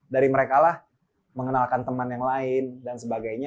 dari merekalah mengenalkan teman yang lain dan sebagainya